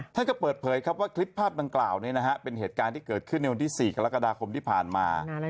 ท่านก็เปิดเผยครับว่าคลิปภาพดังกล่าวนี้นะฮะเป็นเหตุการณ์ที่เกิดขึ้นในวันที่๔กรกฎาคมที่ผ่านมา